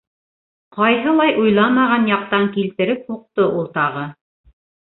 Ҡайһылай уйламаған яҡтан килтереп һуҡты ул тағы